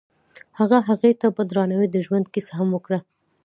هغه هغې ته په درناوي د ژوند کیسه هم وکړه.